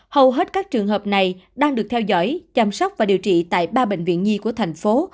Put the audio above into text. hầu hết các trường hợp này đang được theo dõi chăm sóc và điều trị tại ba bệnh viện nhi của thành phố